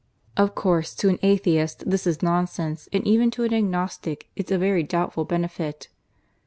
Of course to an atheist this is nonsense; and even to an agnostic it's a very doubtful benefit.